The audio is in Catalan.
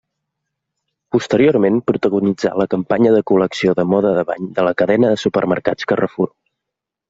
Posteriorment protagonitza la campanya d'una col·lecció de moda bany de la cadena de supermercats Carrefour.